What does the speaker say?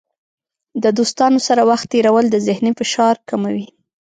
د دوستانو سره وخت تیرول د ذهني فشار کموي.